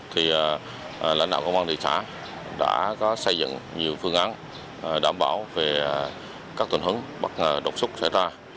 thì lãnh đạo công an thị xã đã có xây dựng nhiều phương án đảm bảo về các tình huống bất ngờ đột xuất xảy ra